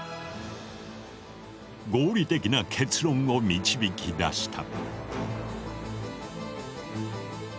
合理的な結論を導き出した。